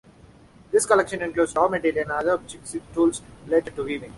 This collection includes raw material and other objects and tools related to weaving.